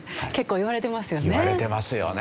いわれてますよね。